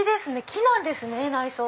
木なんですね内装。